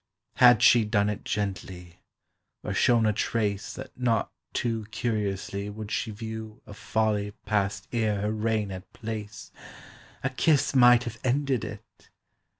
Had she done it gently, or shown a trace That not too curiously would she view A folly passed ere her reign had place, A kiss might have ended it.